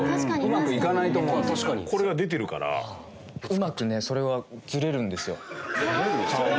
うまくねそれはずれるんですよ。